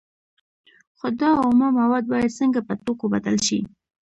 خو دا اومه مواد باید څنګه په توکو بدل شي